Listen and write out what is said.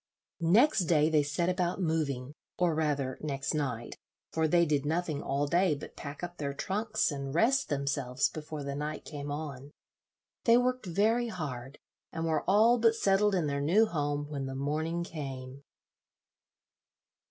Next day they set about moving, or rather next night, for they did nothing all day but pack up their trunks and rest themselves before the night came on. They worked very hard, and were all but settled in their new home when the morning came.